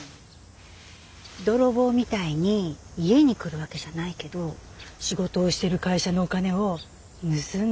泥棒みたいに家に来るわけじゃないけど仕事をしてる会社のお金を盗んだりすることですね。